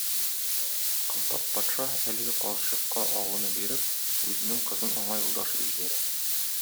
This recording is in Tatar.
Кылтап патша әлеге карчыкка агуны биреп, үзенең кызын аңа юлдаш итеп җибәрә.